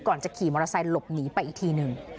ก่อนจะขี่มอเตอร์ไซค์หลบหนีไปอีกทีหนึ่ง